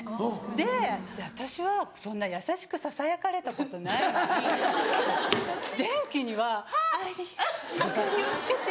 で私はそんな優しくささやかれたことないのに電気には「アイリス明かりをつけて」って。